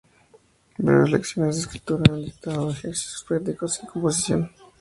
Breves lecciones de escritura al dictado con ejercicios prácticos y de composición".